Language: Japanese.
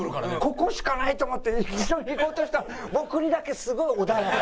ここしかないと思って一緒にいこうとしたら僕にだけすごい穏やか。